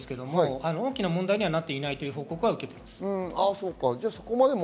大きな問題にはなっていないという報告は受けています。